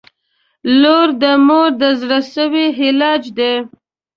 • لور د مور د زړسوي علاج دی.